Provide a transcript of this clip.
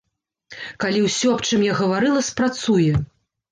Калі ўсё, аб чым я гаварыла, спрацуе.